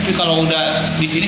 tapi kalau di sini